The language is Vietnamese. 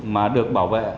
mà được bảo vệ